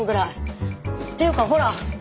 っていうかほら！